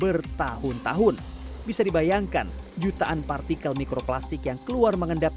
bertahun tahun bisa dibayangkan jutaan partikel mikroplastik yang keluar mengendap